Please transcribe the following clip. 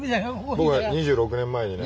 僕は２６年前にね。